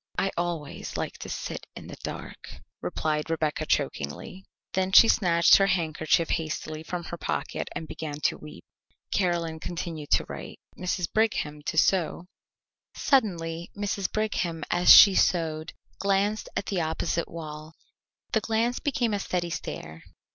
"I always like to sit in the dark," replied Rebecca chokingly. Then she snatched her handkerchief hastily from her pocket and began to weep. Caroline continued to write, Mrs. Brigham to sew. Suddenly Mrs. Brigham as she sewed glanced at the opposite wall. The glance became a steady stare.